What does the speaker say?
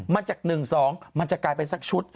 มันจาก๑๒มันจะกลายเป็นสักชุด